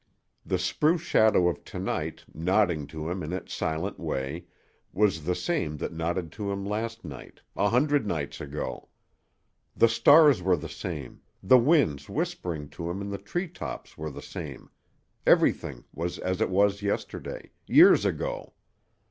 The spruce shadow of to night, nodding to him in its silent way, was the same that nodded to him last night a hundred nights ago; the stars were the same, the winds whispering to him in the tree tops were the same, everything was as it was yesterday years ago.